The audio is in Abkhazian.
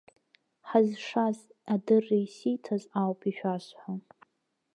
Ҳазшаз адырра исиҭаз ауп ишәасҳәо.